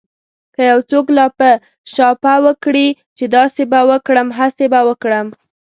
که يو څوک لاپه شاپه وکړي چې داسې به وکړم هسې به وکړم.